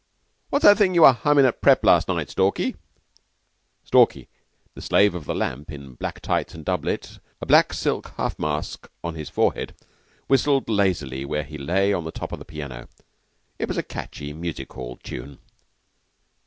What's that thing you were humming at prep. last night, Stalky?" Stalky, The Slave of the Lamp, in black tights and doublet, a black silk half mask on his forehead, whistled lazily where he lay on the top of the piano. It was a catchy music hall tune.